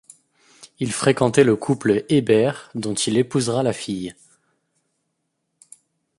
Il y fréquentait le couple Hébert dont il épousera la fille.